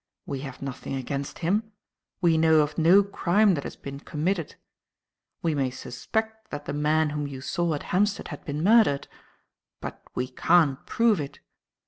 We have nothing against him. We know of no crime that has been committed. We may suspect that the man whom you saw at Hampstead had been murdered. But we can't prove it.